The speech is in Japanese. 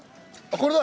これだ。